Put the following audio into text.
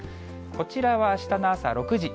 こちらはあしたの朝６時。